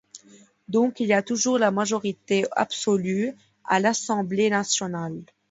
Donc, il y a toujours la majorité absolue à l'Assemblée nationale.